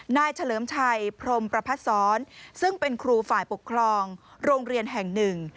เฉลิมชัยพรมประพัดศรซึ่งเป็นครูฝ่ายปกครองโรงเรียนแห่งหนึ่ง